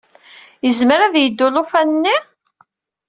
Yezmer ad yeddu ulufan-nni?